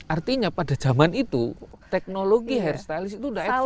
artinya pada zaman itu teknologi hair stylist itu sudah advance